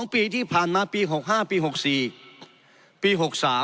๒ปีที่ผ่านมาปี๖๕ปี๖๔ปี๖๓